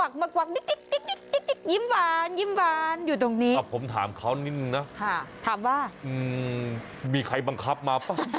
อ่อผมถามเค้านิ่งนึงนะเป็นอาโต่ช่วยมารับป่ะ